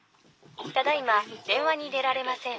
「ただいまでんわに出られません」。